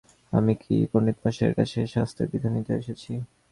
আমি কী পণ্ডিতমশায়ের কাছে শাস্ত্রের বিধান নিতে এসেছি?